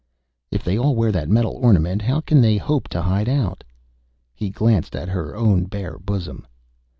"If they all wear that metal ornament, how can they hope to hide out?" He glanced at her own bare bosom.